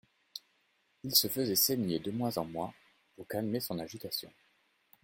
Il se faisait saigner de mois en mois pour calmer son agitation.